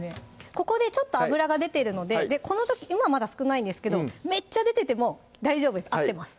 ここでちょっと脂が出てるのでこの時今まだ少ないんですけどめっちゃ出てても大丈夫です合ってます